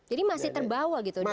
jadi masih terbawa gitu